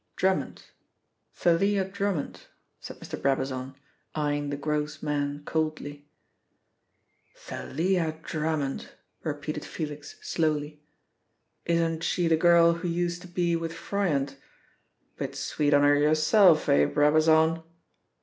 "Drummond Thalia Drummond," said Mr. Brabazon, eyeing the gross man coldly. "Thalia Drummond!" repeated Felix slowly. "Isn't she the girl who used to be with Froyant? Bit sweet on her yourself, eh, Brabazon?"